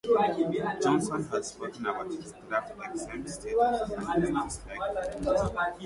Johnson has spoken about his draft-exempt status and his dislike for war.